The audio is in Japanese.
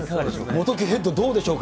元木ヘッド、どうでしょうか？